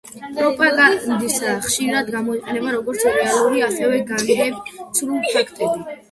პროპაგანდისა ხშირად გამოიყენება როგორც რეალური, ასევე განგებ ცრუ ფაქტები.